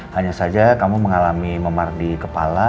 hanya saja kamu mengalami memar di kepala